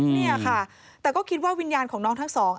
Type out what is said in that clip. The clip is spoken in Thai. เนี่ยค่ะแต่ก็คิดว่าวิญญาณของน้องทั้งสอง